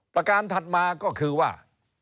ประการถัดมาก็คือว่า